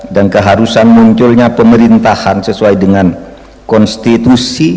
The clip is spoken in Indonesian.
dan keharusan munculnya pemerintahan sesuai dengan konstitusi